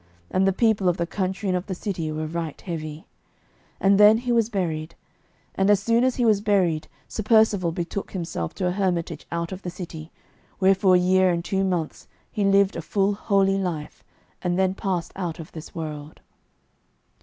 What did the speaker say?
And the people of the country and of the city were right heavy. And then he was buried. And as soon as he was buried, Sir Percivale betook himself to a hermitage out of the city, where for a year and two months he lived a full holy life, and then passed out of this world.